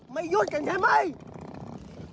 ไม่ยุดกันใช่ไหม